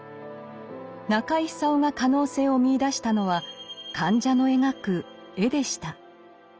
中井久夫が可能性を見いだしたのは患者の描く「絵」でした。